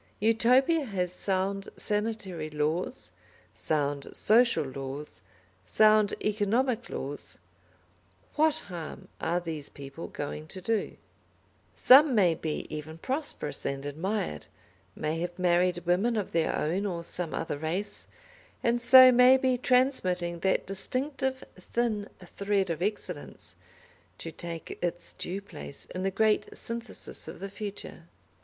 Utopia has sound sanitary laws, sound social laws, sound economic laws; what harm are these people going to do? Some may be even prosperous and admired, may have married women of their own or some other race, and so may be transmitting that distinctive thin thread of excellence, to take its due place in the great synthesis of the future.